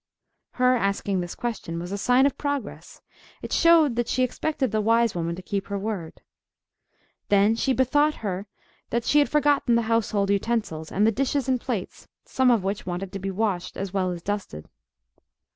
Her asking this question was a sign of progress: it showed that she expected the wise woman to keep her word. Then she bethought her that she had forgotten the household utensils, and the dishes and plates, some of which wanted to be washed as well as dusted.